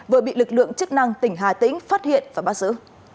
vừa bị lực lượng chức năng tỉnh hà tĩnh phát hiện và bắt giữ